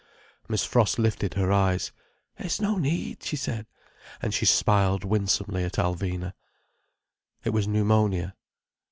Miss Frost lifted her eyes: "There's no need," she said, and she smiled winsomely at Alvina. It was pneumonia.